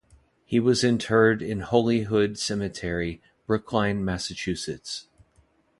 He was interred in Holyhood Cemetery, Brookline, Massachusetts.